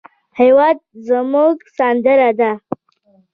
هېواد زموږ سندره ده